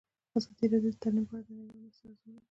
ازادي راډیو د تعلیم په اړه د نړیوالو مرستو ارزونه کړې.